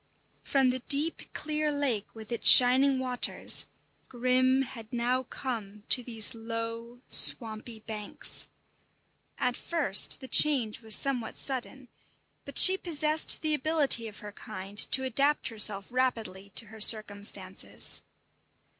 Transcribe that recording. From the deep, clear lake with its shining waters, Grim had now come to these low, swampy banks. At first the change was somewhat sudden; but she possessed the ability of her kind to adapt herself rapidly to her circumstances.